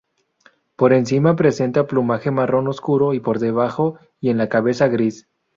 Por encima presenta plumaje marrón oscuro, y por debajo y en la cabeza gris.